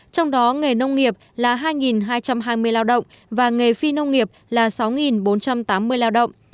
trong đó nghề nông nghiệp là hai hai trăm hai mươi lao động và nghề phi nông nghiệp là sáu bốn trăm tám mươi lao động